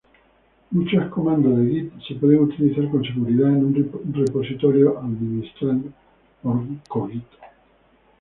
Muchos comandos de Git se puede utilizar con seguridad en un repositorio administrado Cogito.